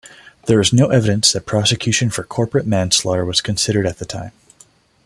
There is no evidence that prosecution for corporate manslaughter was considered at the time.